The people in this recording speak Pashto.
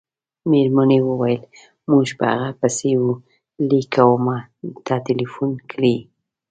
مېرمنې وویل: موږ په هغه پسې وه لېک کومو ته ټېلیفون کړی.